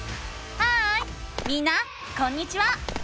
ハーイみんなこんにちは！